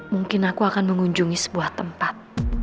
mungkin aku akan mengunjungi sebuah tempat